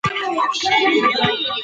عاجزي انسان د الله دربار ته نږدې کوي.